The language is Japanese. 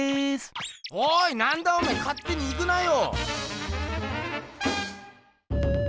おいなんだおめえかってに行くなよ。